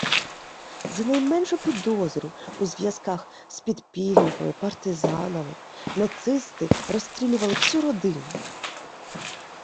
За найменшу підозру у зв'язках з підпільниками, партизанами, нацисти розстрілювали всю родину.